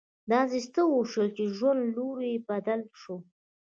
داسې څه وشول چې د ژوند لوری يې بدل شو.